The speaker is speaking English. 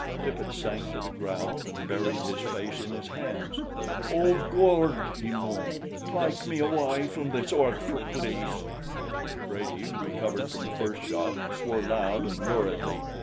Tippet sank to the ground and buried his face in his hands. "Oh, Gord," he moaned. "Tyke me awy from this orful plice." Brady, recovered from the first shock, swore loud and luridly.